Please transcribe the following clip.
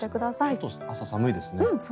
ちょっと朝、寒いですね。